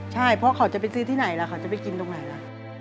ใช่เพราะเขาจะไปซื้อที่ไหนล่ะเขาจะไปกินตรงไหนล่ะ